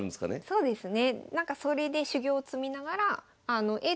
そうですね。